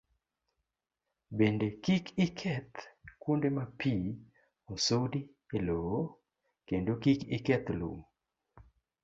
Bende, kik iketh kuonde ma pi osudi e lowo, kendo kik iketh lum.